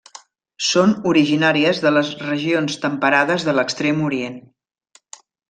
Són originàries de les regions temperades de l'Extrem Orient.